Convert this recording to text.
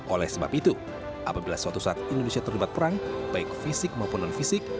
oleh sebab itu apabila suatu saat indonesia terlibat perang baik fisik maupun non fisik